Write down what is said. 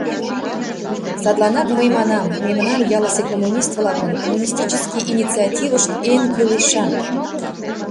— Садланак мый манам: мемнан, ялысе коммунист-влакын, коммунистический инициативышт эн кӱлешан.